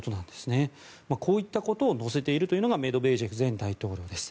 こういったことを載せているのがメドベージェフ前大統領です。